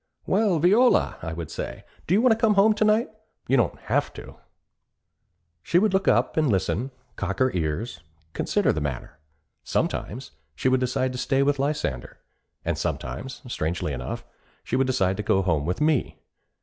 'Well, Viola,' I would say, 'do you want to come home to night? You don't have to.' She would look up and listen, cock her ears, consider the matter. Sometimes she would decide to stay with Lysander, and sometimes, strangely enough, she would decide to go home with me.